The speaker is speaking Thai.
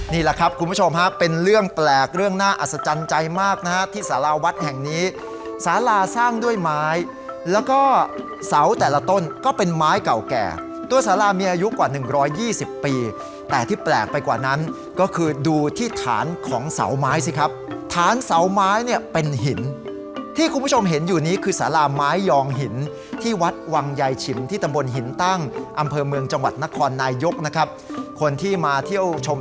นี่ล่ะครับคุณผู้ชมครับเป็นเรื่องแปลกเรื่องน่าอัศจรรย์ใจมากนะครับที่สาลาวัดแห่งนี้สาลาสร้างด้วยไม้แล้วก็เสาแต่ละต้นก็เป็นไม้เก่าแก่ตัวสาลามีอายุกว่า๑๒๐ปีแต่ที่แปลกไปกว่านั้นก็คือดูที่ฐานของเสาไม้สิครับฐานเสาไม้เนี่ยเป็นหินที่คุณผู้ชมเห็นอยู่นี้คือสาลาไม้ยองหินที่วัดวังใยฉ